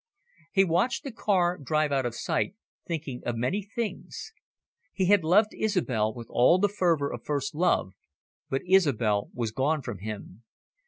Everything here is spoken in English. He watched the car drive out of sight, thinking of many things. He had loved Isobel with all the fervour of first love, but Isobel was gone from him.